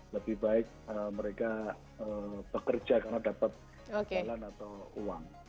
lebih baik mereka bekerja karena dapat uang